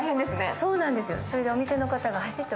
そうなんですよ。